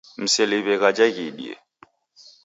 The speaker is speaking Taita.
Mseliw'e ghaja ghiidie.